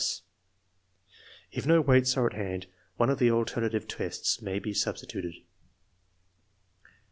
If no weights are at hand one of the alternative tests may be substituted.